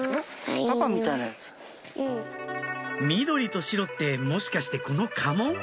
緑と白ってもしかしてこの家紋？